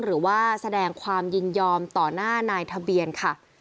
หรือว่าแสดงความยินยอมต่อหน้านายทะเบียนค่ะ